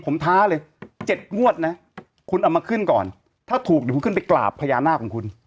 ผมท้าเลย๗งวดนะคุณเอามาขึ้นก่อนถ้าถูกเดี๋ยวคุณขึ้นไปกราบพญานาคของคุณ